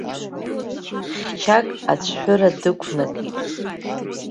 Хьчак ацәҳәыра дықәнакит.